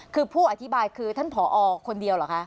คือผู้อธิบายคือท่านผอคนเดียวเหรอคะ